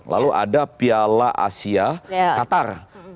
lalu ada piala asia qatar